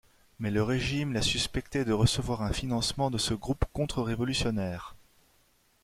Mais le régime l’a suspecté de recevoir un financement de ce groupe contre-révolutionnaire.